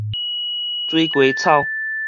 水雞草